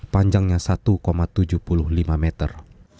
panjangnya satu tujuh puluh lima meter